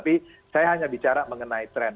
tapi saya hanya bicara mengenai tren